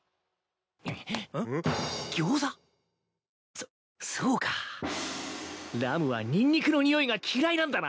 そそうかラムはニンニクのにおいが嫌いなんだな！